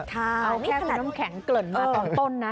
เอาแค่น้ำแข็งเกริ่นมาตอนต้นนะ